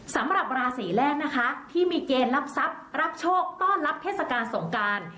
สำหรับราศีแรกนะคะที่มีเกณฑ์รับทรัพย์รับโชคต้อนรับเทศกาลสงการ